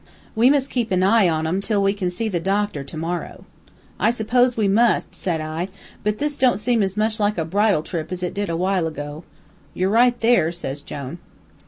We must keep an eye on 'em till we can see the doctor to morrow.' "'I suppose we must,' said I, 'but this don't seem as much like a bridal trip as it did a while ago.' "'You're right there,' says Jone.